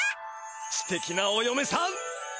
すてきなおよめさん！